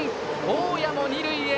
大矢も二塁へ！